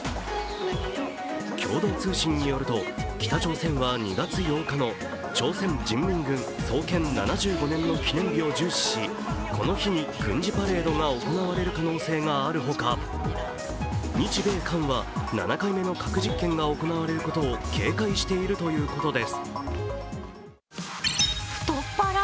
共同通信によると、北朝鮮は２月８日の朝鮮人民軍創建７５年の記念日を重視し、この日に軍事パレードが行われる可能性があるほか、日米韓は７回目の核実験が行われることを警戒しているということです。